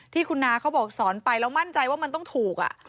ที่คุณน้าเขาบอกสอนไปแล้วมั่นใจว่ามันต้องถูก